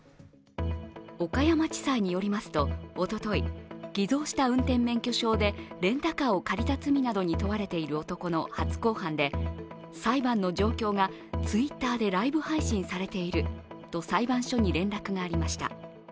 岡山地裁によりますとおととい偽造した運転免許証でレンタカーを借りた罪などに問われている男の初公判で、裁判の状況がＴｗｉｔｔｅｒでライブ配信されていると、裁判所に連絡がありました。